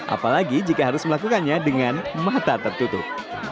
apalagi jika harus melakukannya dengan mata tertutup